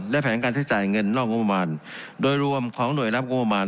และแผนการใช้จ่ายเงินนอกงบประมาณโดยรวมของหน่วยรับงบประมาณ